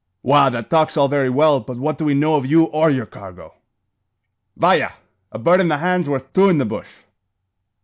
"Wagh! that talk's all very well, but what do we know of you or yer cargo?" "Vaya! A bird in the hand's worth two in the bush."